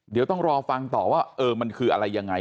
เดี๋ยวต้องรอฟังต่อว่ามันคืออะไรยังไง